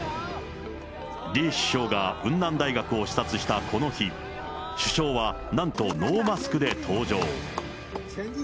李首相が雲南大学を視察したこの日、首相はなんとノーマスクで登場。